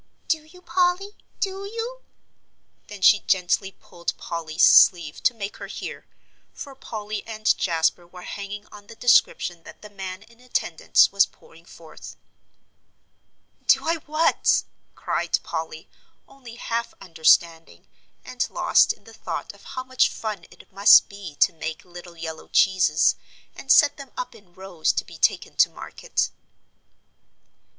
"Do you, Polly? Do you?" then she gently pulled Polly's sleeve to make her hear, for Polly and Jasper were hanging on the description that the man in attendance was pouring forth. "Do I what?" cried Polly, only half understanding, and lost in the thought of how much fun it must be to make little yellow cheeses, and set them up in rows to be taken to market.